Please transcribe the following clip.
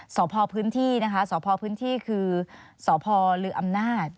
สอบพอพื้นที่คือสอบพอหรืออำนาจ